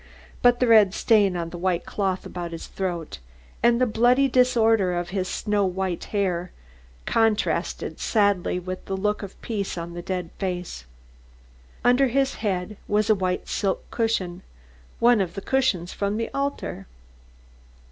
But the red stain on the white cloth about his throat, and the bloody disorder of his snow white hair contrasted sadly with the look of peace on the dead face. Under his head was a white silk cushion, one of the cushions from the altar.